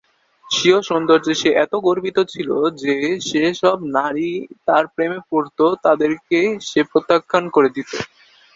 স্বীয় সৌন্দর্যে সে এত গর্বিত ছিল যে যে-সব নারী তার প্রেমে পড়ত তাদেরকে সে প্রত্যাখ্যান করে দিত।